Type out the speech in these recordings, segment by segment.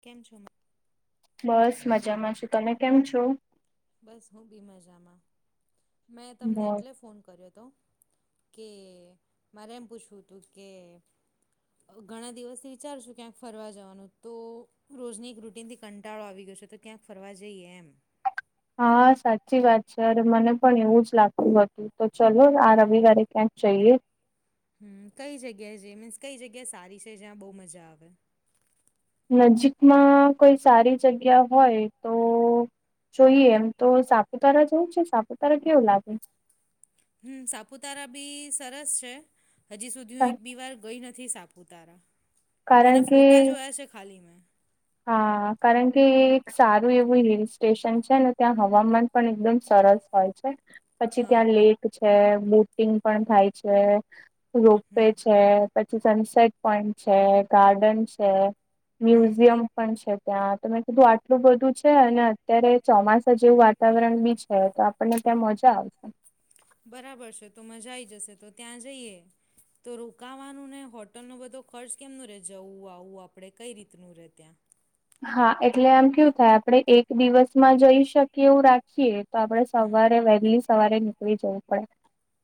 કેમ છો બસ મજામાં છો તમે કેમ છો બસ હું બી મજામાં મેં તમને બસ એટલે ફોન કર્યો હતો કે મારે એમ પૂછવું તું કે ઘણા દિવસથી વિચારશું ક્યાંક ફરવા જવાનું તો રોજની એક રૂટિનથી કંટાળો આવી ગયો છે તો ક્યાંક ફરવા જઈએ એમ હા સાચી વાત છે અરે મને પણ એવું જ લાગતું હતું. તો ચાલો આ રવિ વારે ક્યાંક જઈએ. હમ કઈ જગ્યા છે મીન્સ કઈ જગ્યા સારી છે જ્યાં બહુ મજા આવે. નજીકમાં કોઈ સારી જગ્યા હોય તો જોઈએ એમ તો સાપુતારા જવું છે સાપુતારા કેવું લાગે હમ સાપુતારા બી સરસ છે હજી સુધી હું કા એક બી વાર ગઈ નથી સાપુ તારા કારણ એના કે ફોટા જોયા છે ખાલી મે. હા કારણ કે એક સારું એવું હિલ સ્ટેશન છે ને ત્યાં હવામાન પણ એકદમ સરસ હોય છે. પછી હા ત્યાં લેક છે બોટિંગ પણ થાય છે હમ રોપવેે છે પછી સનસેટ પોઈન્ટ છે ગાર્ડન છે હમ મ્યુઝિયમ પણ છે ત્યાં તો મેં કીધું આટલું બધું છે અને અત્યારે ચોમાસા જેવું વાતાવરણ બી છે તો પણને ત્યાં મજા આવે છે. બરાબર છે તો મજા આઈ જશે તો ત્યાં જઈએ. તો રોકાવાનું ને હોટલ નો બધો ખર્ચ કેમનું રે જવું આવું આપડે કઈ રીતનું રે ત્યાં? હા એટલે આમ કેયુ થાય આપડે એક દિવસમાં જઈ શકીએ એવું રાખીએ તો આપડણે હમ સવારે વહેલી સવારે નીકળી જવું પડે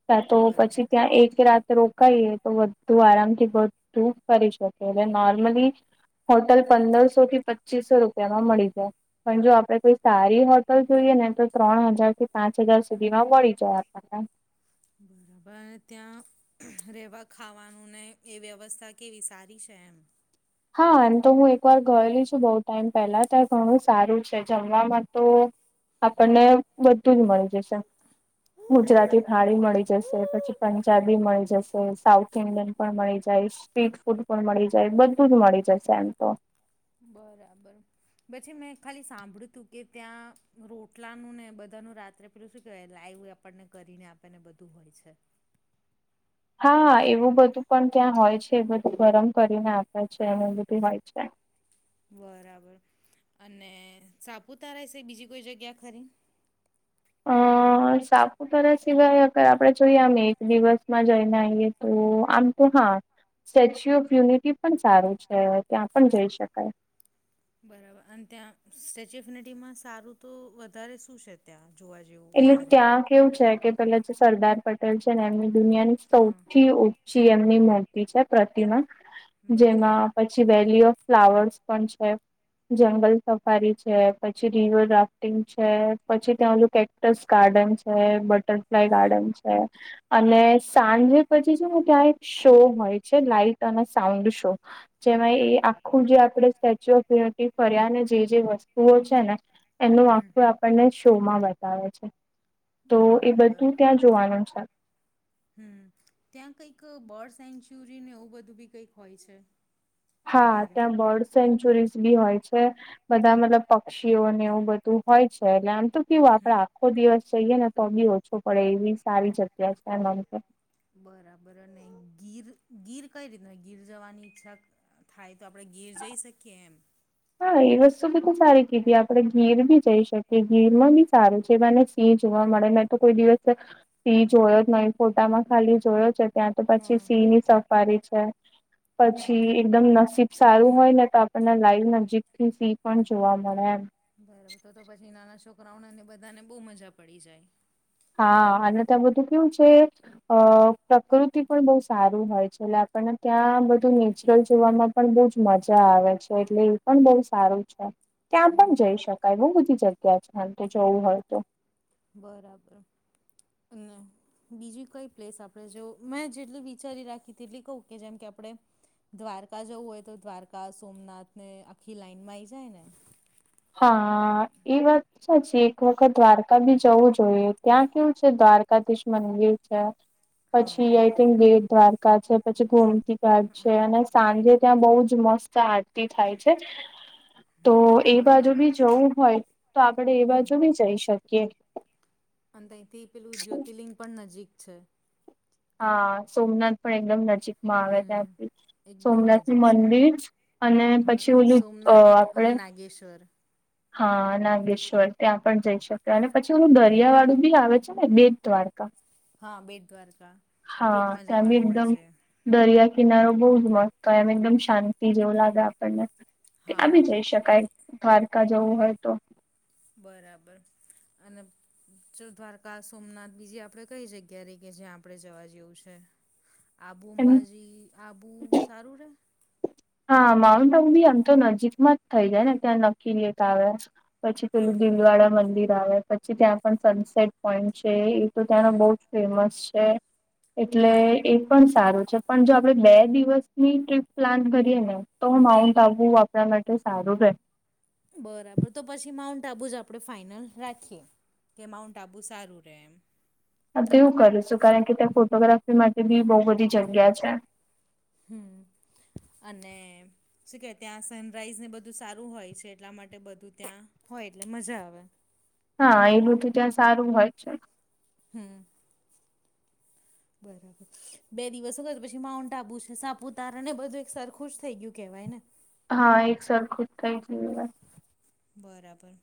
કા તો બરાબર પછી ત્યાં એક રાત રોકાઈએ તો બધુ આરામ થી બધું કરી શકે એટલે નોર્મલી હોટલ પંદરસો થી પચીસો રૂપિયામાં મળી જાય. પણ જો આપડે કોઈ સારી હોટલ જોઈએ ને તો ત્રણ હજાર થી પાંચ હજાર સુધીમાં મળી ચહ હતા બરાબર ત્યાં રહેવા ખાવાનું ને એ વ્યવસ્થા કેવી સારી છે એમ હા અને તો હું એકવાર ગયેલી છું બઉુ ટાઈમ પહેલા ત્યાં ઘણું સારું છે જમવાવામાં તો આપણને બધું જ મળી જશે ગુજરાતી ખાડી મળી જશે પછી પંજાબી મળી જશે સાઉથ ઈન્ડિયન પણ મળી જાય સ્ટ્રીટ ફૂડ પણ મળી જાય બધું જ મળી જાય એમ તો બરાબર. પછી મેં ખાલી સાંભળ્યું તું કે ત્યાં રોટલાનું ને બધાનું રાત્રે પેલું શું કેવાય લાઈવ આપણને કરીને આપેને બધું હોય છે. હા એવું બધું પણ ત્યાં હોય છે. એ બધું ગરમ કરીને આપે છે એ બધું હોય છે. બરાબર અને સાપુતારા છે. બીજી કોઈ જગ્યા ખરી હા. સાપુતારા સિવાય અ આપડણે જોઈએ આમ એક દિવસમાં જઈને આવીઈએ તો આમ તો હા. સ્ટેચ્યુ ઓફ યુનિટી પણ સારું છે. ત્યાં પણ જઈ શકાય. બરાબર અને ત્યાં સ્ટેચ્યુ ઓફ યુનિટીમાં સારું તો વધારે શું છે? ત્યાં જોવા જેવું? એટલે વધારે ત્યાં કેવું છે કે પેલા જે સરદાર પટેલ છે ને એમની દુનિયાની હા સૌથી સીએમ ની મૂર્તિ છે. પ્રતિમા બરાબર જેમાં પી પછી વેલી ઓફ ફ્લાવર્સ પણ છે. જંગલ સફારી છે પછી રિવર રાફ્ટિંગ છે, પછી ત્યાં ઓલું ટસ ગાર્ડન્સ હ બટરફ્લાય હા ગાર્ડન્સ અને સાંજે પછી શું ત્યાં એક શો હોય છે લાઈટ અને સાઉન્ડ શો જેમાં એ આખું જે આપણેે સ્ટેચ્યુ ઓફ યુનિટી ફર્યા ને જે જે વસ્તુઓ છે ને એનું વાંક્ય આપણને શોમાં વ બતાવે છે તો એ બરાબર બધું ત્યાં જોવાનું છે. હમ ત્યાં કંઈક બર્ડ સેન્ચુરી ને એવું બધું બી કંઈક હોય છે. હા વધારે ત્યાં બર્ડસ સેન્ચુરીઝ બી હોય છે. બધા મતલબ પક્ષીઓને એવું બધું હોય છે એટલે આમ તો કેવું આપડે હમ આખો દિવસ જઈએ ને તો બી ઓછો પડે એવી સારી જગ્યા છે આમતો. બરાબર ને ગીર ગીર કઈ રીતના ગીર જવાની ઈચ્છા થાય તો આપણે ગીર જઈ શકીએ એમ. હા એ વસ્તુ બીધી સારી કીધી આપડણે ગીર બી જઈ શકીએ ગીરમાં બી સારું છે એ બાને ની જોવા મળે, મે તો કોઈ દિવસ તી જોયો જ નહીં, ફોટામાં ખાલી જોયો છે ત્યાંથી તો પછી હા સિંહ ની સફારી છે. પછી બરાબર એકદમ નસીબ સારું હોય ને તો આપણને લાઈવ નજીક થી સિંહ પણ જોવા મળે એમ. બરાબર. તો-તો પછી નાના છોકરાઓને ને બધાને બહુ મજા પડી જાય. હા અને ત્યા બધું કેવ છે? અ પ્રકૃતિ પણ બહુ સારું હોય છે. એટલે આપણને ત્યાં બધું નેચરલ જોવામાં પણ બહુજ મજા આવે છે. એટલે એ પણ બહુ સારું છે. ત્યાં પણ હમ જઈ શકાય બહુ બધી જગ્યા છે. આમ તો જોવું હોય તો. બરાબર અને બીજી કઈ પ્લેસ આપણે જેવ મેં જેટલી વિચારી રાખી તેટલી કહું કે જેમ કે આપણે દ્વારકા જવું હોય તો દ્વારકા સોમનાથ ને આખી લાઈનમાં આવી જાય ને. હા. એ વાત [unintelligible] એક વખત દ્વારકા બી જવું જોઈએ, ત્યાં કેવું છે દ્વારકાધીશ મંદિર છે. હા પછી આઈથિંક વેરધાર [unintelligible] છે, પછી ગોમતી ગાઢ છે, અને સાંજે ત્યાં બહું જ મસ્ત આરતી થાય છે. તો [inaudible] એ બાજુ બરાબર બી જવું હોય તો આપણેે એ બાજુ બી જઈ શકીએ. અને તહીંથી પેલું જ્યોતિર્લિંગ પણ નજીક છે. હા. સોમનાથ પણ એકદમ નજીક માં આવે હમ ત્યાંથી. એકદમ સોમનાથની નજીક છે. મંદિર અને હા પછી ઓલું અહ સોમનાથ આપડે અને નાગેશ્વર હા, નાગેશ્વર, ત્યાં પણ જઈ શકાય, અને પછી ઓલું દરિયા વાળું બી આવે છે ને બેટદ્વારકા. હા, બેટ દ્વારકા, બોટમાં ત્યાં બી જવાનું હોય એકદમ છે. દરિયા કિનારો બહુ જ મસ્ત હોય એમ, એકદમ શાંતિ જેવું લાગે આપણને. ત્યાં બી હા જઈ શકાય, દ્વારકા જવું હોય તો. બરાબર અને ચ દ્વારકા સોમનાથ, બીજી આપડે કઈ જગ્યા રહી કે જ્યાં આપણે જવા જેવું છે? આબુ એમ અંબાજી, આબુ સારું રહે? હા માઉન્ટ આબુ ભી આમ તો નજીકમાં જ થઇ જાય ને, ત્યાં [unintelligible] આવે. પછી હા પેલું દિલવાડા મંદિર આવે, પછ પછી ત્યાં પણ સનસેટ પોઈન્ટ છે, એ તો ત્યાંનો બહું જ ફેમસ છે. એટલે એક પણ સારું છે, પણ જો આપડે બે દિવસ ની ટ્રીપ પ્લાન કરીએ ને તો હમ માઉન્ટ આબુ [unintelligible] માટે સારું રહે. બરાબર. તો પછી માઉન્ટ આબુ જ આપણે ફાઈનલ રાખીએ. કે માઉન્ટ આબુ સારું રહે એમ. હ તો એવું કરુંશું, કારણ કે ત્યાં ફોટોગ્રાફી માટે બી બઉુ બધી જગ્યા છે. હમ્મ, અને શું કે ત્યાં સનરાઈઝ ને બધું સારું હોય છે, એટલા માટે બધું ત્યાં હોય એટલે મજા આવે. હા એલું તો ત્યાં સારું હોય છે. હમ્મ. [inaudible] બરાબર. બે દિવસો તો પછી માઉન્ટ આબુ છે, સાપુતારા ને બધું એક સરખુ જ થઈ ગયું કેવાય ને. હા એક સરખું જ થઈ ગયું કહેવાય. બરાબર.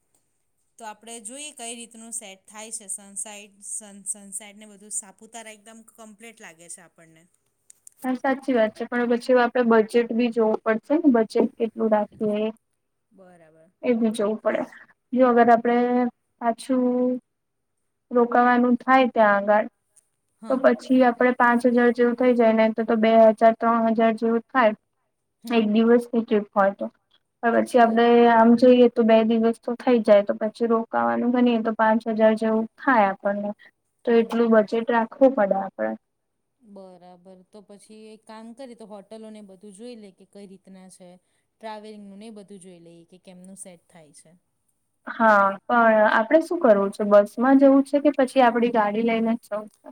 તો આપણે જોઈએ કંઈ રીતનું સેટ થાય છે, સનસાઈટ સન સનસાઈટ ને બધું સાપ પૂતારા એકદમ કમ્પ્લીટ લાગે છે આપણને. હા સાચી વાત છે. પણ પછી આપડે બજેટ બી જોવું પડશે ને, બજેટ કેટ લું રાખીએ, બરાબર. એ બી જવું પડે. જો અગર આપણે પાછું, રોકાવાનું થાય ત્યાં આગળ. તો હા પછી આપડે પાંચ હજાર જેવું થઈ જાય ને તો તો બે હજાર ત્રણ હજાર જેવું થાય હમ એક દિવસની ટ્રીપ હોય તો પણ પછી આપડે બરાબર આમ જોઈએ તો બે દિવસ તો થઈ જાય તો પછી રોકાવાનું બને તો પાંચ હજાર જેવું થાય આપણને તો એટલું બજેટ રાખવું પડે આપણે બરાબર. તો પછી એક કામ કરી તો હોટલો ને બધું જોઈ લે કે કઈ રીતના છે. ટ્રાવેલિંગનું ને ઈ બધું જોઈ લઈએ કે કેમનું સેટ થાય છે. હા. પણ આપડે શું કરવું છે, બસ માં જવું છે, કે પછી આપડી ગાડી લઈને જ જવું છે?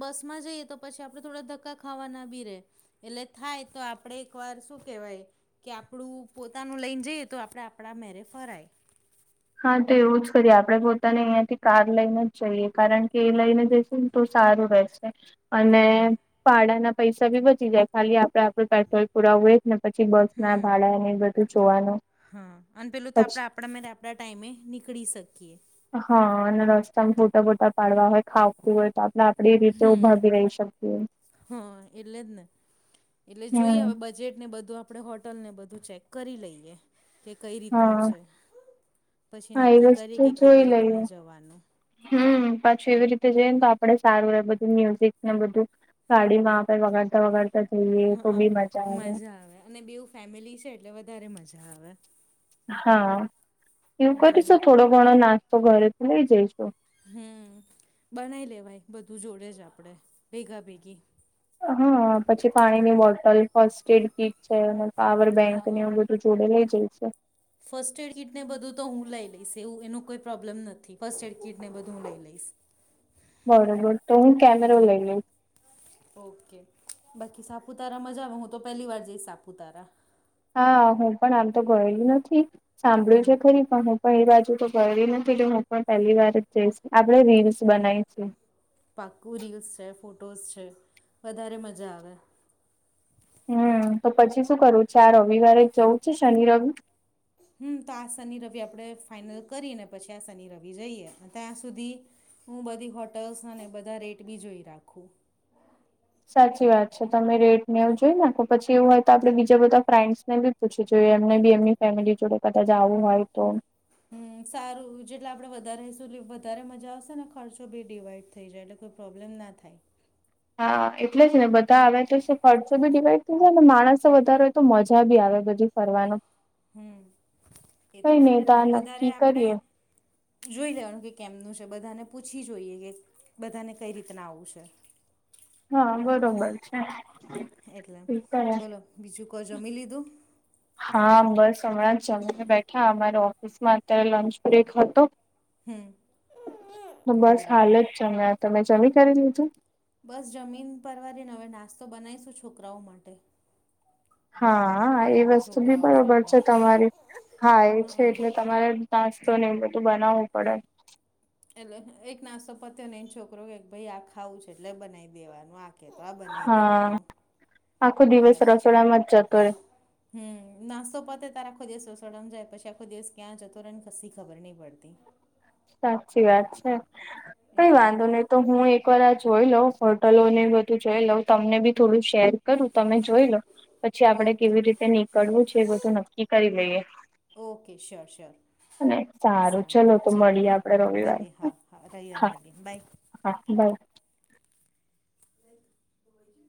બસમાં જઈએ તો પછી આપણેે થોડા ધક્કા ખાવા ના બી રહે. એટલે થાય તો આપડે એક વાર શું કહેવાય કે આપણું પોતાનું લઈને જઈએ તો આપણે આપણા મેળે ફરાય. હા તો એવું જ કરીએ. આપણે પોતાને અહિયાં થી કાર લઈને જ જઈએ, કારણ કે એ લઈને જ તો સારું રહેશે અને હા પાડા ના પૈસા ભી બચી જાય ખાલી આપડે આપડુ પેટ્રોલ પુરાવુ એજ ને પછી બસના હમ ભાડા ને બધું જોવાનું પછી પણ મે આપણા ટાઈમે નીકળી શકીએ હ અને રસ્તામાં ફોટા બોટા પાડવા હોય ખાવતું હોય તો આપણેે એ રીતે ઉભા હમ બી રેય શકીએ હા એટલે જ ને એટલે જોઈએ હમ હવે બજેટ ને બધું આપણે હોટલ ને બધું ચેક કરી લઈએ કે કઈ રીતનું હા છે, પછી હા એ નક્કી કરે વસ્તુ કે જોઈ કેવી રીતના લઈએ જવાનું હમ પાછું એવી રીતે જઈએ ને તો આપડે સારું રે બધું મ્યુઝિકને બધું ગાડીમાં આપે વગાડતા વગા હા મજા આવે અને બેવ ફેમિલી છે, એટલે વધારે મજા આવે હા એવું એટલે કરીશું થોડો ઘણો નાસ્તો ઘરેથી લઈ જઈશું હમ બનાવી લેવાય બધું જોડે જ આપણે ભેગા ભેગી હા પછી પાણીની બોટલ ફર્સ્ટ એડ કીટ છે, અને પાવર બેંક હા નેવુ બ ધુ જોડે લઈ જઈશે ફર્સ્ટ એડ કીટ ને બધું તો હું લઈ લઈશ એવું એનું કોઈ પ્રોબ્લમ નથી ફર્સ્ટ એડ કીટ ને બધું હું લઈ લઈશ બરોબર તો હું કેમેરા એટલે લઈ લઈ ઓકે બાકી સાપુતારા મજામાં હું તો પેલી વાર જઈશ સાપુતારા હા હું પણ આમ તો ગયેલ નથી સાંભળ્યું હમ છે, ખરી પણ હું પણ એ બાજુ તો ગયલી નથી એટલે હું પણ પહેલી વાર જઈશ આપડે રીલ્સ બનાવીશુ પાક્કું રીલ્સ છે, ફોટોઝ છે, વધારે મજા આવે હમ તો પછી શું કરવું છે, આ રવિવારે જવું છે, શનિ રવિ હમ તો આ શનિ રવિ આપણે ફાઈનલ કરીને પછી આ શનિ રવિ જઈએ ત્યાં સુધી હું બધી હોટલ્સ અને બધા રેટ બી જોઈ રાખું સાચી વાત છે, તમે રેટ નેવું જોઈ નાખ પછી એવું હોય તો આપડે બીજા બધા ફ્રેન્ડ્સ ને બી પુછી જોએ એમને બી એમની ફેમિલી જોડે કદાચ આવું હોય તો હમ સારું જેટલે આપણે વધારે [unintelligible] વધારે મજા આવશે ને ખર્ચો બી ડીવાઈડ થઈ જાય એટલે કોઈ પ્રોબ્લેમ ના થાય. હા એટલે જ ને બધા આવે તો ખર્ચો બી ડીવાઈડ થઈ જાય માણસો વધારે હોય તો મજા બી આવે બધી ફરવાનું હમ એ કઈ છે નહી તો એટલે આ વધારે નક્કી કરીએ આપણે જોઈ લેવાનું કે કેમનું છે, બધાને પૂછી જોઈએ બધાને કઈ રીતના આવું છે. હા બરોબર છે. એટલે બોલો બીજું કો જમી લીધું હા બસ હમણાં જમી ને બેઠા અમારી ઓફિસ માં અત્યારે લંચ બ્રેક હતો. હમ બસ હાલ બરાબર જ જમ્યા તમે જમી કરી દીધું? બસ જમીન પરવારીને હવે નાસ્તો બનાવીશું છોકરાઓ માટે હા એ વસ્તુ બી છોકરાઓ બરોબર એટલે છે, તમારી હા એ છે, એટલે તમારે નાસ્તો ને એવુ બધું બનાવવું પડે એટલે એક નાસ્તો પત્યો ને એ છોકરો કે ભાઈ આ ખાવું છે, એટલે બનાવી દેવાનું આ કે ત આ બનાય હા દેવાનું આખો એટલે દિવસ રસોડામાં જ જતો રે હમ નાસ્તો પતો ત્યારે આખો દિવસ રસડ જાય પછી આખો દિવસ ક્યાં જતો રહેને ખસી ખબર નહીં પડતી. સાચી વાત છે કઈ એટલે વાંધો નહી. તો હું એક વાર આ જોઈ લઉં હોટલો ને બધું જોઈ લઉં તમને બી થોડું શેર કરું તમે જોઈ લો પછી આપડે ઓકે કેવી રીતે નીકળવું છે, એ બધું નક્કી કરી લઈએ ઓકે શ્યોર શ્યોર અને સારું તો ચલો મળીએ હા આપડે રવિવારે મલીએ હા હા રયવાર મલીએ બાય [inaudible] લ